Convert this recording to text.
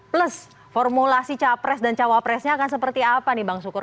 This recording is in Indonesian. plus formulasi capres dan cawapresnya akan seperti apa nih bang sukur